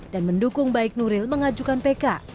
dan mendukung baik nuril mengajukan pk